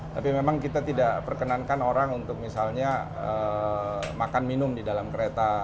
tapi memang kita tidak perkenankan orang untuk misalnya makan minum di dalam kereta